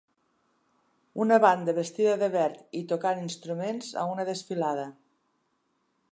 Una banda vestida de verd i tocant instruments a una desfilada.